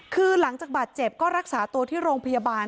คือหลังจากบาดเจ็บก็รักษาตัวที่โรงพยาบาล